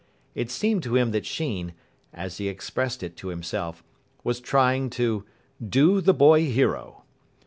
It seemed to him that Sheen, as he expressed it to himself, was trying to "do the boy hero".